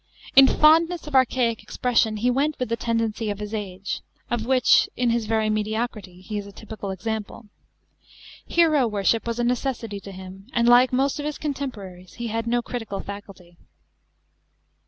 In fondness of archaic expression he went with the tendency of his age, of which, in his vory mediocrity, he is a typical example. Hero worship was a mcessity to him; and like most of his contemporaries, he had no critical faculty.